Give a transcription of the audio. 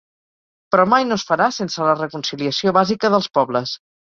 Però mai no es farà sense la reconciliació bàsica dels pobles.